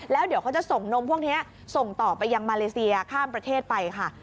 แล้วเดี๋ยวเขาจะส่งนมพวกนี้ส่งต่อไปยังมาเลเซียข้ามประเทศไปค่ะ